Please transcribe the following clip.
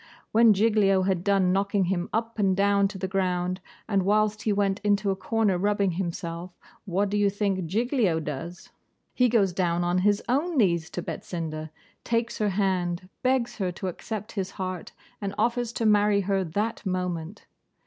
When Giglio had done knocking him up and down to the ground, and whilst he went into a corner rubbing himself, what do you think Giglio does? He goes down on his own knees to Betsinda, takes her hand, begs her to accept his heart, and offers to marry her that moment.